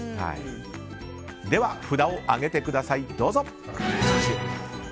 では札を上げてください、どうぞ。